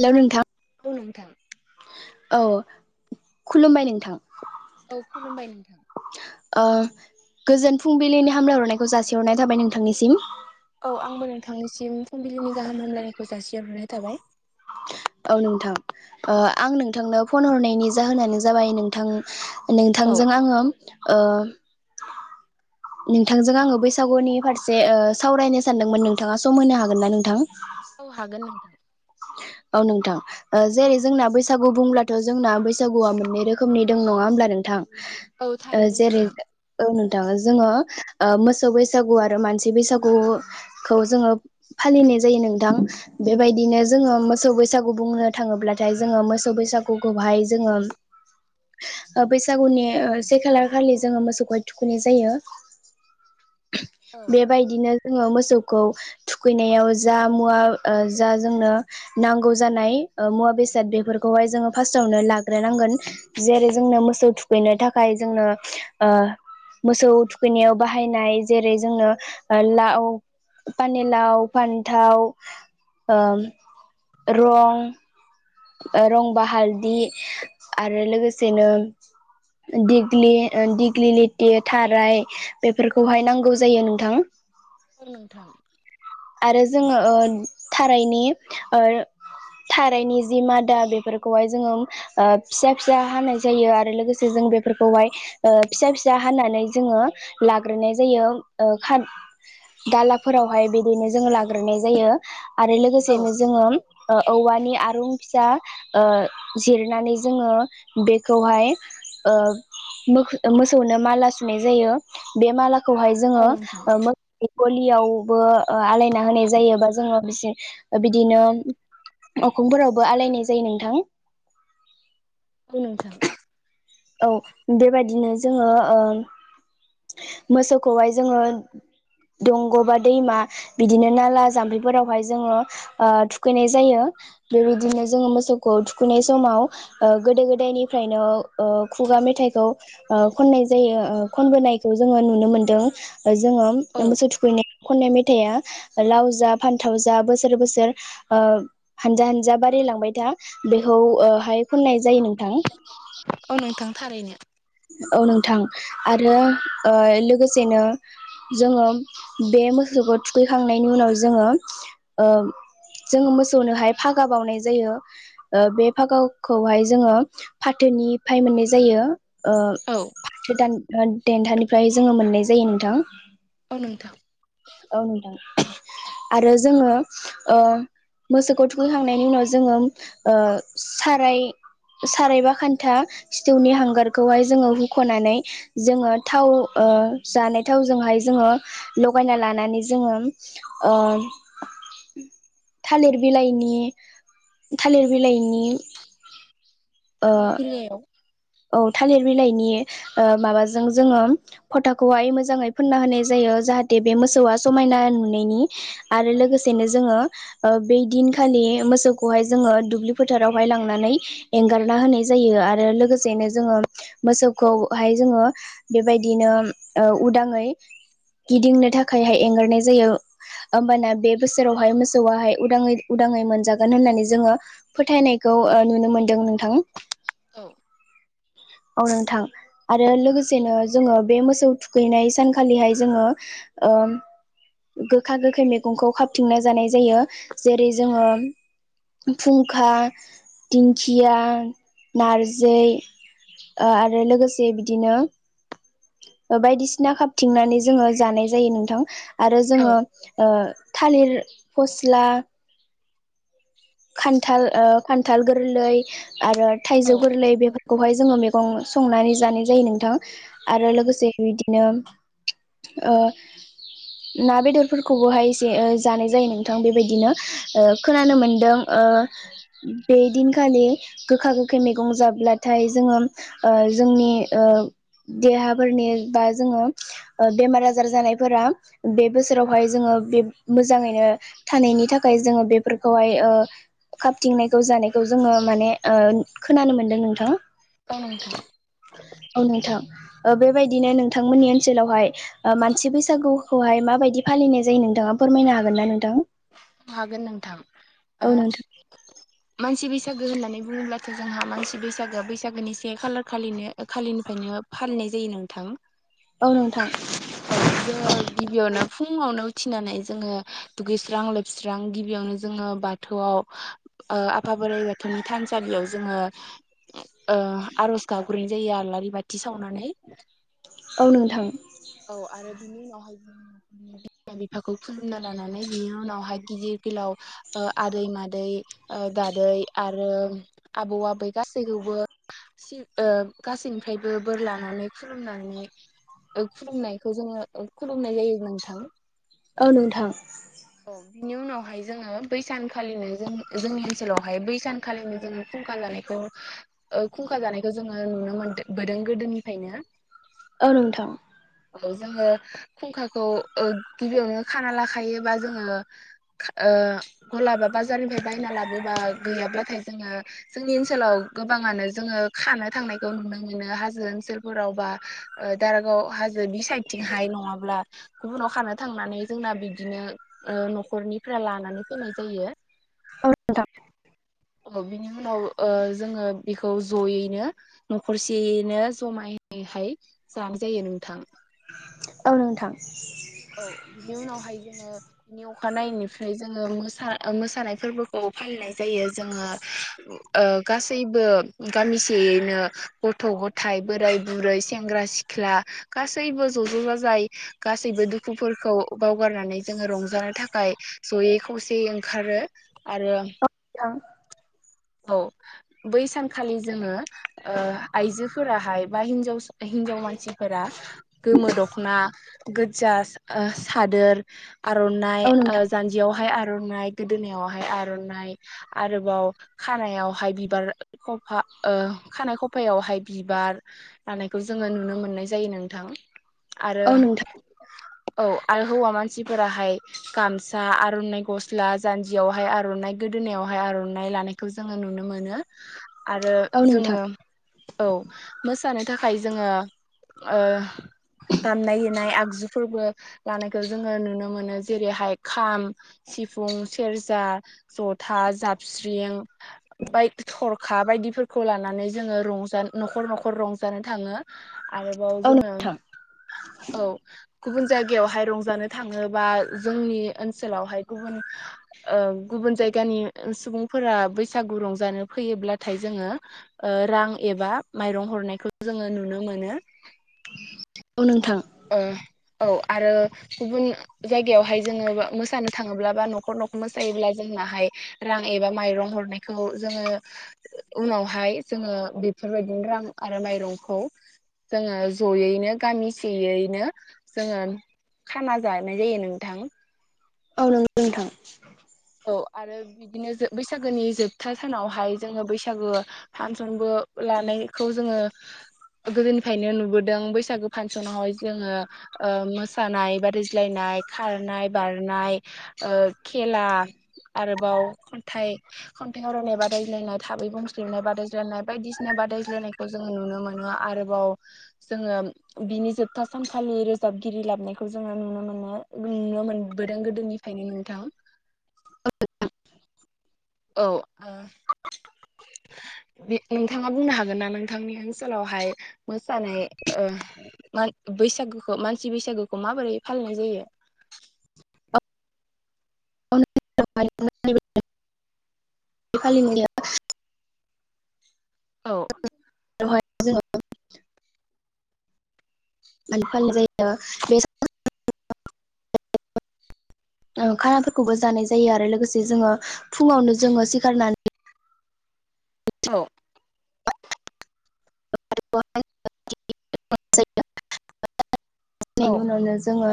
हेल' नोंथां। औ नोंथां। औ खुलुमबाय नोंथां। औ खुलुमबाय नोंथां। गोजोन फुंबिलिनि हामलायहरनायखौ जासिहरनाय थाबाय नोंथांनिसिम। औ आंबो नोंथांनिसिम फुंबिलिनि गाहाम हामलायनायखौ जासिहरहरनाय थाबाय। औ नोंथां। ओ आं नोंथांनो फन हरनायनि जाहोनानो जाबाय नोंथां औ नोंथांजों आङो ओ नोंथांजों आङो बैसागुनि फारसे सावरायनो सानदोंमोन नोंथाङा सम होनो हागोन ना नोंथां? औ हागोन नोंथां। औ नोंथां। ओ जेरै जोंना बैसागु बुंब्लाथ' जोंना बैसागुआ मोननै रोखोमनि दं नङा होमब्ला नोंथां औ थारैनो जेरै नोंथां औ नोंथाङा जोङो मोसौ बैसागु आरो मानसि बैसागु खौ जोङो फालिनाय जायो नोंथां औ बेबायदिनो ओ मोसौ बैसागु बुंनो थाङोब्लाथाय जोङो मोसौ बैसागुखौहाय जोङो ओ बैसागुनि ओ से खालार खालि जोङो मोसौखौहाय थुखुनाय जायो। औ बेबाय बिदिनो जोङो मोसौखौ थुखैनायाव जा मुवा जा जोंनो नांगौ जानाय मुवा बेसाद बेफोरखौहाय जोङो फार्स्टावनो लाग्रोनांगोन। जेरै जोंनो मोसौ थुखैनो थाखाय जोंनो ओ मोसौ थुखैनायाव बाहायनाय जेरै जोंनो लाव पानिलाव फान्थाव ओ रं रं बा हालदि आरो लोगोसेनो दिग्लि दिग्लि लिथि थाराय बेफोरखौहाय नांगौ जायो नोंथां। औ नोंथां। आरो जोङो थारैनि ओ थारैनि जि मादा बेफोरखौहाय जोङो ओ फिसा फिसा हानाय जायो आरो लोगोसे जों बेफोरखौहाय ओ फिसा फिसा हानानै जोङो लाग्रोनाय जायो ओ दालाफोरावहाय बिदिनो जोङो लाग्रोनाय जायो आरो औ लोगोसेनो जोङो ओ औवानि आरुं फिसा जिरनानै जोङो बेखौहाय ओ मोसौनो माला सुनाय जायो बे माला खौहाय जोङो औ नोंथां ओ मोसौ गलियावबो ओ आलायना होनाय जायो बा जोङो बिसि बिदिनो अखुयफोरावबो आलायनाय जायो नोंथां। औ नोंथां। औ बेबायदिनो जोङो ओ मोसौखौहाय जोङो दंग' बा दैमा बिदिनो नाला जाम्फैफोरावहाय जोङो ओ थुखैनाय जायो बेबायदिनो जोङो मोसौखौ थुखैनाय समाव ओ गोदो गोदायनिफ्रायनो ओ खुगा मेथाइखौ ओ खननाय जायो ओ खनबोनाय खौ जोङो नुनो मोनदों जोङो औ मोसौ थु खैनाय खननाय मेथाइआ लाव जा फान्थाव जा बोसोर बोसोर ओ हानजा हानजा बारायलांबाय था बेखौ हाय ओ खननाय जायो नोंथां। औ नोंथां थारैनो। औ नोंथां आरो ओ लोगोसेनो जोङो बे मोसौखौ थुखैखांनायनि उनाव जोङो जोङो मोसौनोहाय फागा बावनाय जायो। ओ बे फागावखौहाय जोङो फाथोनिफ्राय मोननाय जायो। ओ औ फाथो दान देथानिफ्राय जोङो मोननाय जायो नोंथां। औ नोंथां। औ नोंथां आरो जोङो ओ मोसौखौ थुखैखांनायनि उनाव जोङो ओ साराय सारायबा खान्था सिथवनि हांगार खौहाय जोङो हुख'नानै जोङो थाव जानाय थावजोंहाय जोङो लगायना लानानै जोङो थालिर बिलाइनि थालिर बिलाइनि ओ थालि बिलायाव औ थालिर बिलाइनि ओ माबाजों जोङो फोटाखौहाय मोजाङै फुनना होनाय जायो जाहाथे दे बे मोसौआ समायना नुनायनि आरो औ लोगोसेनो जोङो ओ बै दिनखालि मोसौखौहाय जोङो दुब्लि फोथारावहाय लांनानै एंगारना होनाय जायो आरो लोगोसे सेनो जोङो मोसौखौहाय जोङो बेबायदिनो उदाङै गिदिंनो थाखायहाय एंगारनाय जायो होमबाना बे बोसोरावहाय मोसौआाहाय उदाङै उदाङै मोनजागोन होननानै जोङो फोथायनायखौ ओ नुनो मोनदों नोंथां औ औ नोंथां आरो लोगोसेनो जोङो बे मोसौ थुखैनाय सानखालिहाय जोङो ओ गोखा-गोखै मैगंखौ खाबथिंनो जानाय जायो जेरै जोङो फुंखा दिंखिया नारजि आरो लोगोसे बिदिनो बायदिसिना खाबथिंनानै जोङो जानाय जायो नोंथां आरो जोङो औ थालिर फस्ला खान्थाल खान्थाल गोरलै आरो थाइजौ गोरलै बेफोर खौहाय जोङो मैगं संनानै जानाय जायो नोंथां आरो औ नोंथां लोगोसे बेबायदिनो ना बेदरफोरखौबोहाय एसे जानाय जायो नोंथां बेबायदिनो खोनानो मोनदों ओ बे दिनखालि गोखा गोखै मैगं जाब्लाथाय जोङो जोंनि देहाफोरनि बा जोङो बेमार आजार जानायफोरा बे बोसोरावहाय जोङो बे मोजाङैनो थानायनि थाखाय जोङो बेफोरखौहाय ओ खाबथिंनायखौ जानायखौ जोङो माने ओ खोनानो मोनदों नोंथाङा औ नोंथां औ नोंथां बेबायदिनो नोंथांमोननि ओनसोलावहाय मानसि बैसागु खौहाय माबायदि फालिनाय जायो नोंथाङा फोरमायनो हागोन ना नोंथां हागोन नोंथां औ [inaudible] मानसि बैसागो होननानै बुङोब्लाथ जोंहा मानसि बैसागोआ बैसागोनि से खालार खालिनो खालिनिफ्रायनो फालिनाय जायो नोंथां औ नोंथां औ जोङो गिबियावनो फुङावनो उथिनानै जोङो दुगैस्रां स्रां लोबस्रां गिबियावनो जोङो बाथौआव आफा बोराइ बाथौनि थानसालियाव जोङो ओ आरज गाब्रायनाय जायो आलारि बाथि सावनानै औ नोंथां औ आरो बिनि उनावहाय जोङो न'खरनि बिमा बिफाखौ खुलुमना लानानै बिनि उनावहाय गिदिर गोलाव आदै मादै दादै आरो आबौ-आबै गासैखौबो गासैनिफ्रायबो बोर लानानै खुलुमनानै खुलुमनायखौ जोङो खुलुमनाय जायो नोंथां। औ नोंथां औ बिनि उनावहाय जोङो बैसानखालिनो जों जोंनि ओनसोलावहाय बैसानखालिनो जोङो फुंखा जानाय खुंखा जानायखौ जोङो नुनो मोनबोदों गोदोनिफ्रायनो औ नोंथां औ जोङो खुंखाखौ ओ गिबियावनो खाना लाखायोबा जोङो ओ गलाबा बाजारनिफ्राय बायना लाबोबा गैयाब्लाथाय जोङो जोंनि ओनसोलाव गोबाङानो जोङो खानो थांनायखौ नुनो मोनो हाजो ओनसोल फोरावबा दारागाव हाजोनि साइडथिंहाय नङाब्ला गुबुनाव खानो थांनानै जोंना बिदिनो न'खरनिफ्राय लानानै फैनाय जायो औ नोंथां बिनि उनाव ओ जोङो बेखौ जयैनो न'खरसेयैनो जमायहाय जानाय जायो नोंथां। औ नोंथां औ बिनि उनावहाय जोङो बिनि अखानायैनायनिफ्राय जोङो मोसा ओ मोसानाय फोरबो औ फालिनाय जायो जोङो ओ गासैबो गामिसेयैनो गथ' गथाइ बोराय बुरै सेंग्रा सि ख्ला गासैबो ज' ज' जाजाय गासैबो दु दुखुफोरखौ बावगारनानै जोङो रंजानो थाखाय जयै खौसेयै ओंखारो आरो थां औ बै सानखालि जोङो ओ आइजोफोराहाय बा हिनजाव हिनजाव मानसिफोरा गोमो दख'ना गोजा ओ सादोर आर'नाइ औ ओ नोंथां जान्जियावहाय आर'नाइ गोदोनायावहाय आर'नाइ आरोबाव खानायावहाय बिबार खफा ओ खानायाइ खफायावहाय बिबार लानायखौ जोङो नुनो मोननाय जायो नोंथां आरो औ नोंथां औ आरो हौवा मानसिफोराहाय गामसा आर'नाइ गस्ला जान्जियावहाय आर'नाइ गोदोनायावहाय आर'नाइ लानायखौ जोङो नुनो मोनो आरो औ जोङो नोंथां औ मोसानो थाखाय जोङो ओ दामनाय देनाय आगजुफोरबो लानायखौ जोङो नुनो मोनो जेरैहाय खाम सिफुं सेरजा जथा जाबस्रिं बाय थरखा बायदिफोरखौ लानानै जोङो रंजा न'खर न'खर रंजानो थाङो। आरोबाव औ जोङो नोंथां औ गुबुन जायगायावहाय रंजानो थाङोबा जोंनि ओनसोलावहाय गुबुन ओ गुबुन जायगानि सुबुंफोरा बैसागु रंजानो फैयोब्लाथाय जोङो रां एबा माइरं हरनायखौ जोङो नुनो मोनो औ नोंथां ओ औ आरो गुबुननि जायगायावहाय जोङो मोसानो थाङोब्ला बा न'खर न'खर मोसायोब्ला जोंनाहाय रां एबा माइरं हरनायखौ जोङो उनावहाय जोङो बेफोरबायदिनो रां आरो माइरंखौ जोङो ज'यैनो गामि सेयैनो जोङो खाना जानाय जायो नोंथां औ नों नोंथां औ आरो बिदिनो बैसागोनि जोबथा सानावहाय जोङो बैसागो फानसनबो लानायखौ जोङो गोदोनिफ्रायनो नुबोदों बैसागो फासनावहाय जोङो ओ‌ मोसानाय बादायज्लायनाय खारनाय बारनाय ओ खेला आरोबाव खन्थाइ-खन्थाइ आवरायनाय बादायज्लायनाय थाबै बुंस्लुनाय बादायज्लायनाय बायदिसिना नाय बादायज्लायनायखौ जोङो नुनो मोनो आरोबाव जोङो बिनि जोबथा सानखालि रोजाबगिरि लाबायखौ जोङो नुनो मोनो नुनो मोन गोद गोदोनि खायनो नोंथां [inaudible] औ [unintelligible] बे नोंथाङा बुंनो हागोन ना नोंथांनि ओनसोलावहाय मोसानाय ओ बैसागुखौ मानसि बैसागुखौ माबोरै फालिनाय जायो [unintelligible] औ दहाय जोङो [unintelligible] ओं खानाफोरखौबो जानाय जायो आरो लोगोसे जोङो फुङावनो जोङो सिखारनानै औ नायनि उनावनो जोङो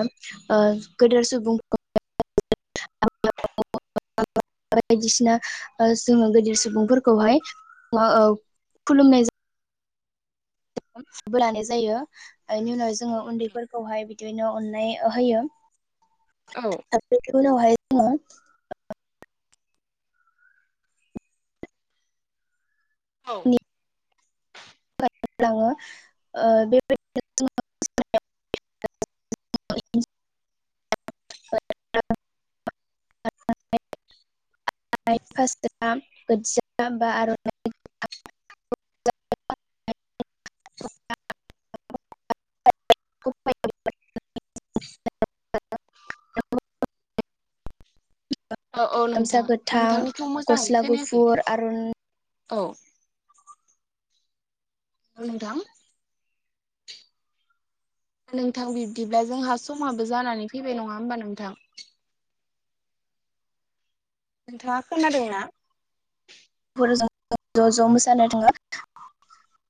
ओ गोदोर सुबुं फोरखौ [unintelligible] बायदिसिना जोङो गिदिर सुबुंफोरखौहाय ओ औ खुलुमनाय जा बोरलानाय जायो बेनि उनाव जोङो उन्दैफोरखौहाय बिदिनो अननाय होयो औ बेनि उनावहाय जोङो औ [unintelligible] [unintelligible] [unintelligible] [unintelligible] औ औ गामसा नोंथां गोथां नोंथांनिखौ मोजां गस्ला गुफुर आर'नाइफोरजों औ नोंथां नोंथां बिब्दिब्ला जोंहा समाबो जानानै फैबाय नङा होमबा नोंथां। नोंथाङा खोनादोंना फोरजों ज' ज' मोसानो थाङो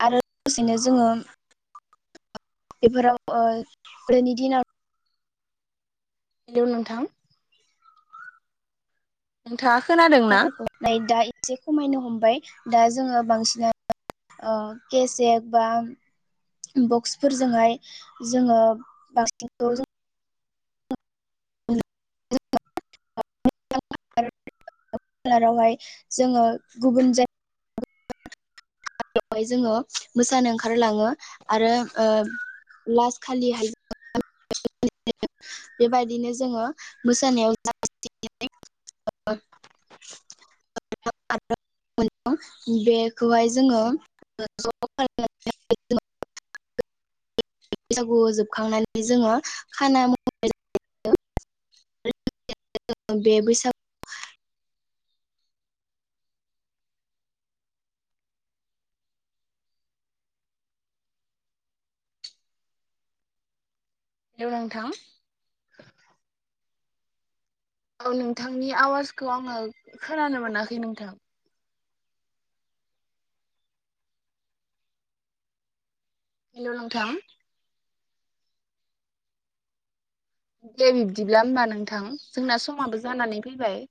आरो लोगोसेनो जोङो बेफोराव ओ गोदोनि दिनाव हेल' नोंथां। नोंथाङा खोनादों ना न दा एसे खमायनो हमबाय दा जोङो बांसिनानो ओ केसेक बा बक्सफोरजोंहाय जोङो बांसिनखौ जों [unintelligible] [unintelligible] जोङो गुबन जायगा हाय जोङो मोसानो ओंखारलाङो आरो लास्ट खालिहाय [unintelligible] बेबायदिनो जोङो मोसानायाव [unintelligible] बेखौहाय जोङो ज [inaudible] बैसागुआव जोबखांनानै जोङो खाना आरो बे बैसागु हेलौ नोंथां। औ नोंथांनि आवाजखौ आङो खोनानो मोनाखै नोंथां। हेल' नोंथां। दे बिब्दिब्ला होमबा नोंथां जोंना समाबो जानानै फैबाय।